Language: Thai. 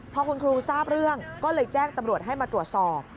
พอคุณครูทราบเรื่องก็เลยแจ้งตำรวจให้มาตรวจสอบ